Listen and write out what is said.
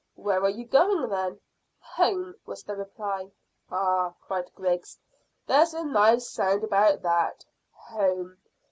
"Where are you going, then?" "Home," was the reply. "Ah!" cried Griggs. "There's a nice sound about that Home.